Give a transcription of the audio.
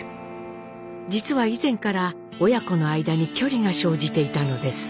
実は以前から親子の間に距離が生じていたのです。